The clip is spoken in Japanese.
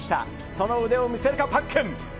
その腕を見せるか、パックン。